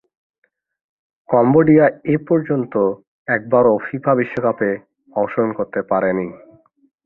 Cambodia এপর্যন্ত একবারও FIFA বিশ্বকাপে অংশগ্রহণ করতে পারেনি।